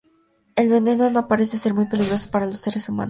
El veneno no parece ser muy peligroso para los seres humanos.